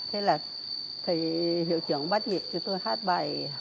thế là thầy hiệu trưởng bắt nhịp cho tôi hát bài